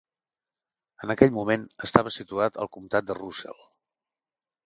En aquell moment estava situat al comtat de Russell.